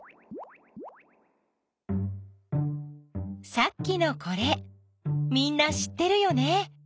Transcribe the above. さっきのこれみんな知ってるよね。